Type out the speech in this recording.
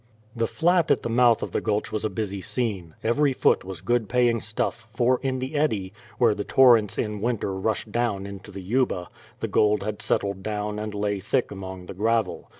The flat at the mouth of the Gulch was a busy scene, every foot was good paying stuff, for in the eddy, where the torrents in winter rushed down into the Yuba, the gold had settled down and lay thick among the gravel.